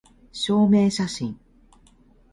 証明写真